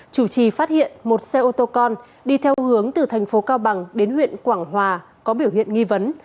chủ trì phát hiện một xe ô tô con đi theo hướng từ thành phố cao bằng đến huyện quảng hòa có biểu hiện nghi vấn